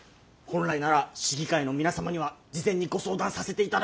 本来なら市議会の皆様には事前にご相談させていただくのが筋です。